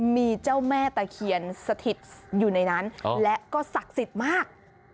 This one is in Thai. มีเจ้าแม่ตะเคียนสถิตอยู่ในนั้นและก็ศักดิ์สิทธิ์มาก